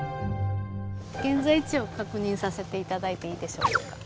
現在地を確認させて頂いていいでしょうか。